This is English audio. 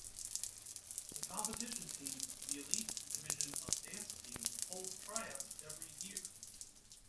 The competition team, the elite division of dance team, holds tryouts every year.